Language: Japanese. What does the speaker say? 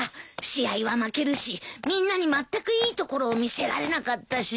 試合は負けるしみんなにまったくいいところを見せられなかったし。